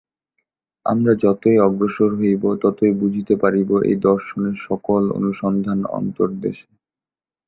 আমরা যতই অগ্রসর হইব, ততই বুঝিতে পারিব, এই দর্শনের সকল অনুসন্ধান অন্তর্দেশে।